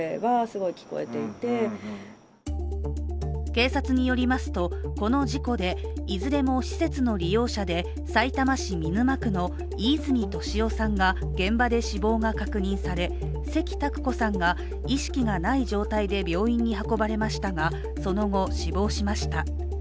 警察によりますとこの事故でいずれも施設の利用者でさいたま市見沼区の飯泉利夫さんが現場で死亡が確認され関拓子さんが意識がない状態で病院に運ばれましたがその後、死亡しました。